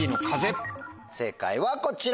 正解はこちら。